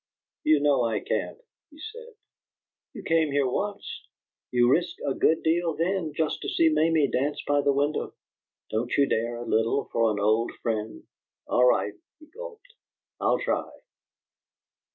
"You know I can't," he said. "You came here once. You risked a good deal then, just to see Mamie dance by a window. Don't you dare a little for an old friend?" "All right," he gulped. "I'll try."